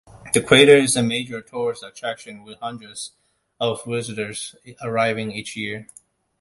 The crater is a major tourist attraction, with hundreds of visitors arriving each year.